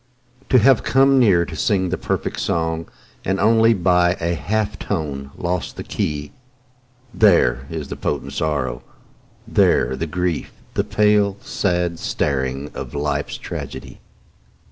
To have come near to sing the perfect song And only by a half tone lost the key, There is the potent sorrow, there the grief, The pale, sad staring of life's tragedy.